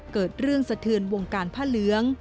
เกิดเรื่องสะเทือนวงการผ้าเหลือง